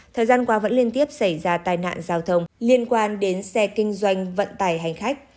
thời gian qua vẫn liên tiếp xảy ra tai nạn giao thông liên quan đến xe kinh doanh vận tải hành khách